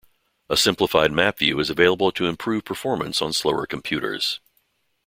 A simplified map view is available to improve performance on slower computers.